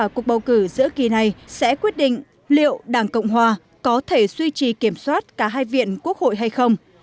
cuộc bầu cử giữa kỳ này sẽ quyết định liệu đảng cộng hòa có thể suy trì kiểm soát cả hai viện quốc hội hay không